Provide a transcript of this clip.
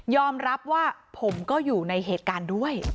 รับว่าผมก็อยู่ในเหตุการณ์ด้วย